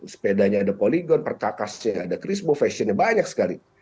sepedanya ada polygon perkakasnya ada crispo fashionnya banyak sekali